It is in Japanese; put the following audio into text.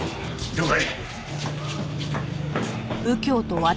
了解！